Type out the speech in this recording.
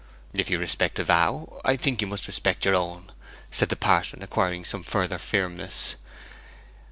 'If you respect a vow, I think you must respect your own,' said the parson, acquiring some further firmness.